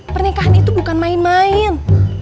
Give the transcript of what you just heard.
pernikahan itu bukan main main